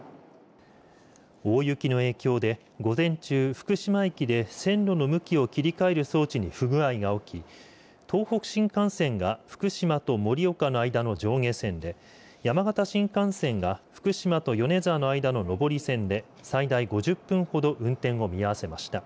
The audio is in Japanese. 大雪の影響で午前中、福島駅で線路の向きを切り替える装置に不具合が起き東北新幹線が福島と盛岡の間の上下線で山形新幹線が福島で米沢の間の上り線で最大５０分ほど運転を見合わせました。